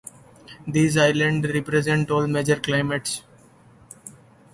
These islands represent all major climates.